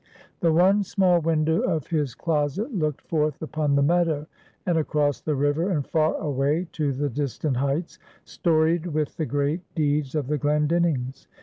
The one small window of his closet looked forth upon the meadow, and across the river, and far away to the distant heights, storied with the great deeds of the Glendinnings.